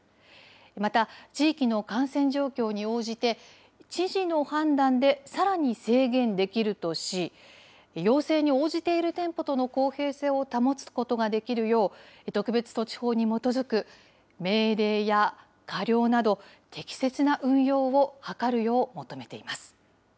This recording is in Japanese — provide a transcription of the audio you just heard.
また、地域の感染状況に応じて知事の判断でさらに制限できるとし、要請に応じている店舗との公平性を保つことができるよう、特別措置法に基づく命令や過料など適切な運用を図るよう求めています。